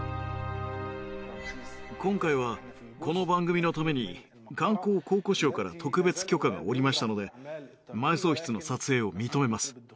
今回はこの番組のために観光・考古省から特別許可が下りましたので埋葬室の撮影を認めます。